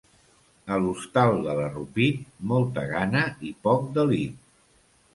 A l'hostal de l'Arrupit, molta gana i poc delit.